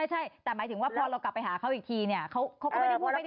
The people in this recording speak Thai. ใช่แต่หมายถึงว่าพอเรากลับไปหาเค้าอีกทีเนี่ยเค้าก็ไม่ได้พูดไม่ได้ว่าอะไรเลยหรอ